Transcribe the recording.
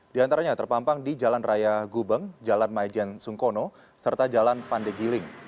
di antaranya terpampang di jalan raya gubeng jalan maijen sungkono serta jalan pandegiling